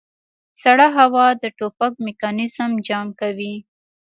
سړه هوا د ټوپک میکانیزم جام کوي